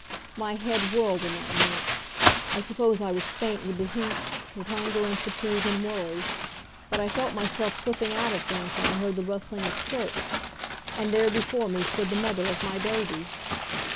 My head whirled in that minute. I suppose I was faint with the heat, with hunger and fatigue and worry, but I felt myself slipping out of things when I heard the rustling of skirts, and there before me stood the mother of my baby.